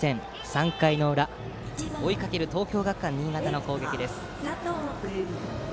３回の裏追いかける東京学館新潟の攻撃。